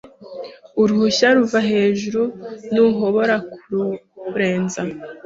Uruhuhya ruva hejuru Ntuhobora kururenza